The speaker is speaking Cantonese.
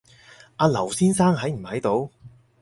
阿劉先生喺唔喺度